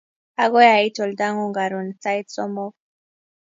Agoi ait oldang'ung' karun sait somok